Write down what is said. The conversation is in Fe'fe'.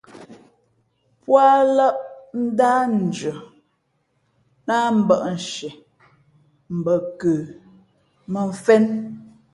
Póalᾱʼ ndáh ndʉα láhmbᾱʼnshieʼ bα nkə mᾱ mfén.